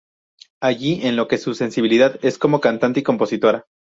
Allí, en lo que su sensibilidad es como cantante y compositora.